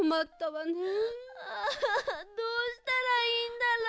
あどうしたらいいんだろう。